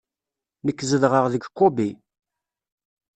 Nekk zedɣeɣ deg Kobe.